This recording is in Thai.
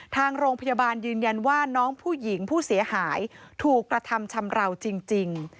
ทางโรงพยาบาลยืนยันว่าน้องผู้หญิงผู้เสียหายถูกกระทำชำราวจริง